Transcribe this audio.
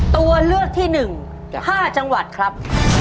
ตัวเลือกที่๑๕จังหวัดครับ